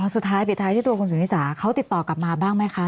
สุดท้ายปิดท้ายที่ตัวคุณสุนิสาเขาติดต่อกลับมาบ้างไหมคะ